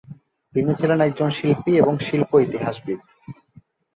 তিনি ছিলেন একজন শিল্পী এবং শিল্প ইতিহাসবিদ।